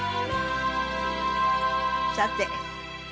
さて。